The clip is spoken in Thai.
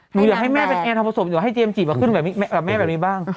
หนูอยากให้แม่เป็นแอร์ธอปสมอยากให้เจมส์จิมาขึ้นแบบนี้บ้าง